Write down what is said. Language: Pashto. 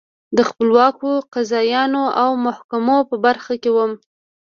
د خپلواکو قاضیانو او محاکمو په برخه کې وو